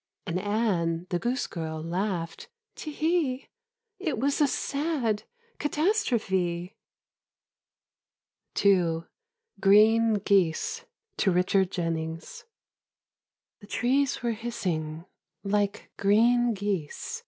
.. And Anne, the goosegirl, laughed, " Tee hee, It was a sad catastrophe! " 46 EDITH SITWELL. II. GREEN GEESE. To Bichard Jennings. The trees were hissing like green geese